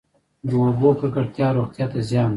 د اوبو ککړتیا روغتیا ته زیان دی.